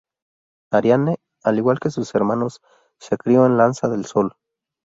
Arianne, al igual que sus hermanos, se crio en Lanza del Sol.